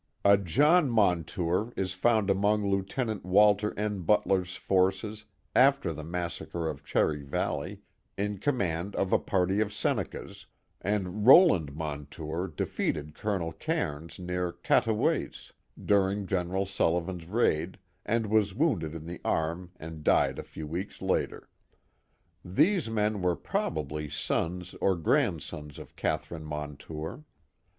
A John Montour is found among Lieutenant Walter X. Butler's (orccs, after the massacre of Cherry Valley, in com mand of a parly of Senecas, and Rowland Montour defeated Colonel Cairns near Catawisse, during General Sullivan *s raid, and was wounded in the arm and died a week later. These men were probably sons or grandsons of Catherine Montour.